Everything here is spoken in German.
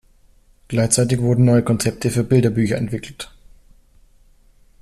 Gleichzeitig wurden neue Konzepte für Bilderbücher entwickelt.